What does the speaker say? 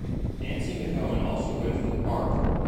Nancy McKeon also read for the part.